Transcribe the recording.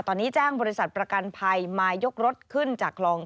ตอนนี้แจ้งบริษัทประกันภัยมายกรถขึ้นจากคลอง